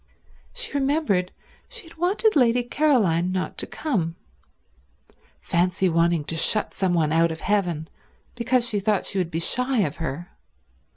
She remembered she had wanted Lady Caroline not to come; fancy wanting to shut some one out of heaven because she thought she would be shy of her!